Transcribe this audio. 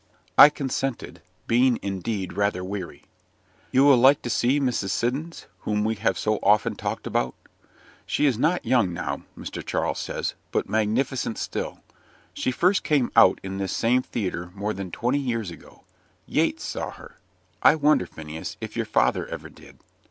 I consented, being indeed rather weary. "You will like to see Mrs. Siddons, whom we have so often talked about? She is not young now, Mr. Charles says, but magnificent still. She first came out in this same theatre more than twenty years ago. Yates saw her. I wonder, Phineas, if your father ever did."